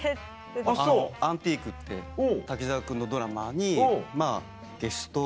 『アンティーク』って滝沢君のドラマにまぁゲスト。